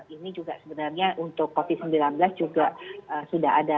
ini juga sebenarnya untuk covid sembilan belas juga sudah ada